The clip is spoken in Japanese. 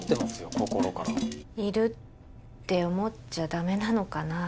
心からいるって思っちゃダメなのかな